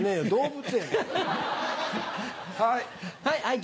はい。